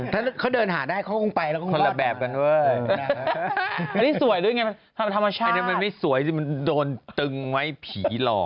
ถ้าเขาเดินหาได้เขาก็คงไปแล้วก็คงกล้อน